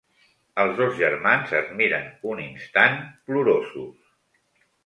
Els dos germans es miren un instant, plorosos.